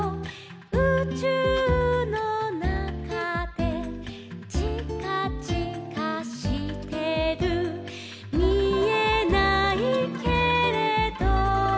「うちゅうのなかで」「ちかちかしてる」「みえないけれど」